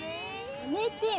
やめてよ。